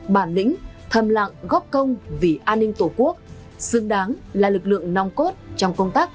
bản lĩnh thầm lặng góp công vì an ninh tổ quốc xứng đáng là lực lượng nòng cốt trong công tác